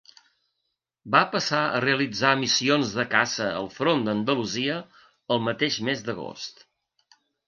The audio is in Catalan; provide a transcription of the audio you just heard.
Va passar a realitzar missions de caça al Front d'Andalusia el mateix mes d'agost.